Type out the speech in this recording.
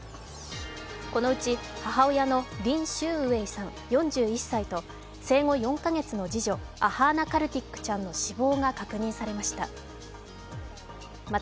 このうち母親のリン・シューウエイさん４１歳と生後４か月の次女、アハーナ・カルティックちゃんの死亡が確認されました。